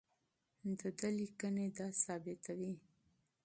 د ده لیکنې دا ثابتوي.